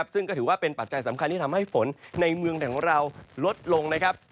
ซึ่งก็ถือว่าเป็นปัจจัยสำคัญที่ทำให้ฝนในเมืองไทยของเราลดลงนะครับ